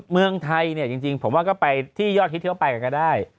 เมืองไทยเนี่ยจริงผมว่าก็ไปที่ยอดฮิตที่เขาไปกันก็ได้